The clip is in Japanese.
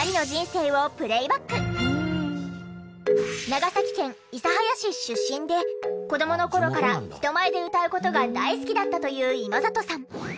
長崎県諫早市出身で子どもの頃から人前で歌う事が大好きだったという今里さん。